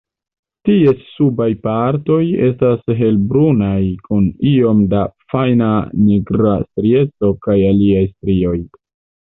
Ties subaj partoj estas helbrunaj kun iom da fajna nigra strieco kaj aliaj strioj.